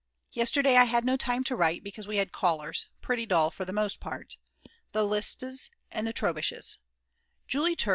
Yesterday I had no time to write because we had callers, pretty dull for the most part, the Listes and the Trobisches; Julie Tr.